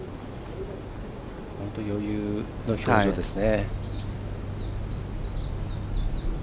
本当余裕の表情ですね。